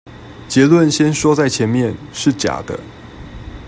結論先說在前面：是假的